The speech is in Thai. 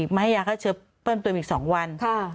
มาให้ยาก็เชิบเพิ่มเติมอีกสองวัน